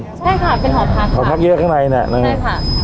ใช่ค่ะเป็นหอพักหอพักเยอะข้างในเนี่ยนะฮะใช่ค่ะ